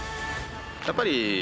やっぱり。